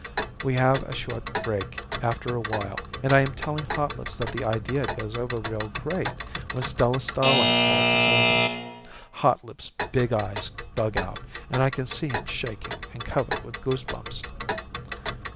We have a short break after a while and I am telling Hotlips that the idea goes over real great, when Stella Starlight waltzes over. Hotlips' big eyes bug out and I can see him shaking and covered with goosebumps.